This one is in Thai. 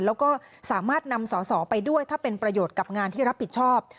แล้วก็สามารถนำสอสอไปด้วยถ้าเป็นประโยชน์กับงานที่รับผิดชอบ